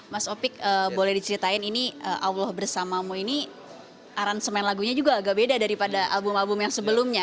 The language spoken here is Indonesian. mas opik boleh diceritain ini allah bersamamu ini aransemen lagunya juga agak beda daripada album album yang sebelumnya